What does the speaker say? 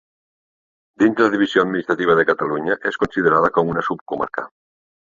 Dins la divisió administrativa de Catalunya és considerada com una subcomarca.